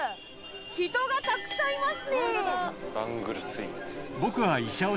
人がたくさんいますね。